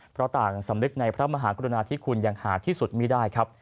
เพราะต่างสำนึกในพระมหากรุณาที่คุณอย่างหาที่สุดไม่ได้ครับ